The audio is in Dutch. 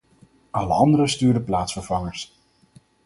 Alle anderen stuurden plaatsvervangers.